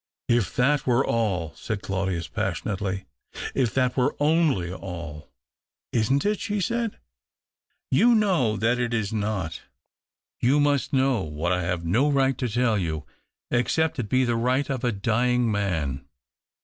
If that were all," said Claudius, passion ately. " If that were only all !"" Isn't it ?" she said. " You know that it is not. You must know what I have no right to tell you — 262 THE OCTAVE OF CLAUDIUS. except it be tlie right of a dying man.